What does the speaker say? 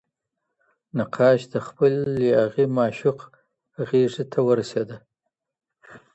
نقاش د خپل یاغي معشوق غېږې ته ورسېده